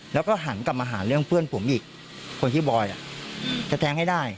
แล้วก็หันกลับมาหาเรื่องเพื่อนผมอีกคนชื่อบอยจะแทงให้ได้